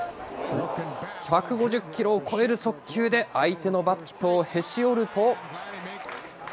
１５０キロを超える速球で相手のバットをへし折ると。